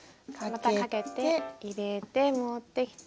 またかけて入れて持ってきて。